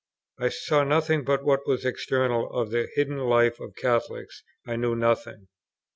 I saw nothing but what was external; of the hidden life of Catholics I knew nothing.